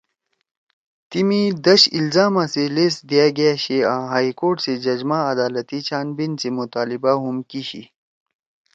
تیمی دش الزاما سی لیس دیِا گأشی آں ہائی کورٹ سی جج ما عدالتی چھان بین سی مطالبہ ہُم کی شی